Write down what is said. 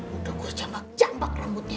laki gue nih udah gue jambak jambak rambutnya